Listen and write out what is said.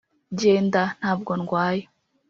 "genda. ntabwo ndwaye."